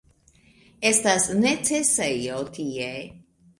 Estas necesejo tie